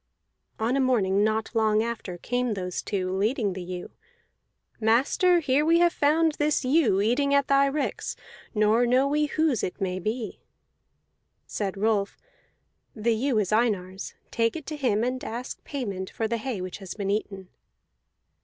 On a morning not long after came those two, leading the ewe. "Master, here have we found this ewe eating at thy ricks, nor know we whose it may be." Said Rolf: "The ewe is Einar's. Take it to him, and ask payment for the hay which has been eaten."